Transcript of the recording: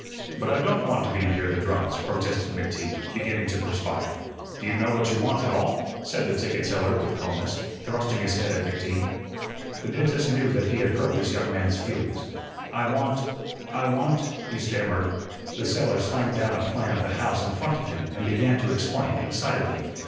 "But I don't want to be near the drums," protested McTeague, beginning to perspire. "Do you know what you want at all?" said the ticket seller with calmness, thrusting his head at McTeague. The dentist knew that he had hurt this young man's feelings. "I want I want," he stammered. The seller slammed down a plan of the house in front of him and began to explain excitedly.